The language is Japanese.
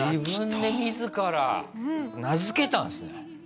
自分で自ら名付けたんですね。